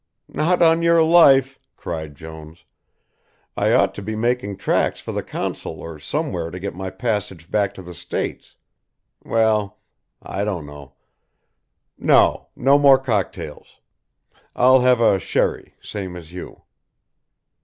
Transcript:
"Not on your life," cried Jones. "I ought to be making tracks for the consul or somewhere to get my passage back to the States well I don't know. No no more cocktails. I'll have a sherry, same as you."